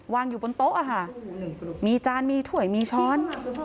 วางอยู่บนโต๊ะอาหารมีจานมีถ่วยมีช้อน